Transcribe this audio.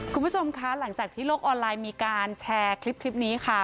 คุณผู้ชมคะหลังจากที่โลกออนไลน์มีการแชร์คลิปนี้ค่ะ